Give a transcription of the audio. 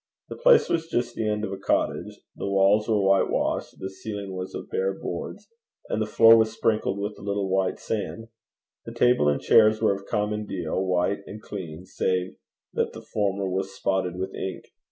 The place was just the benn end of a cottage. The walls were whitewashed, the ceiling was of bare boards, and the floor was sprinkled with a little white sand. The table and chairs were of common deal, white and clean, save that the former was spotted with ink.